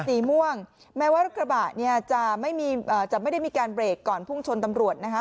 สีม่วงแม้ว่ารถกระบะเนี่ยจะไม่มีจะไม่ได้มีการเบรกก่อนพุ่งชนตำรวจนะคะ